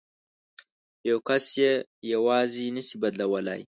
یو کس یې یوازې نه شي بدلولای.